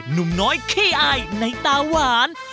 หนุ่มน้อยขี้อายในตาหวาน